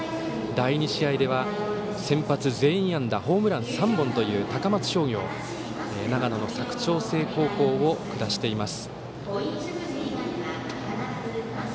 第２試合では、先発全員安打ホームラン３本という高松商業が長野の佐久長聖高校を下しています。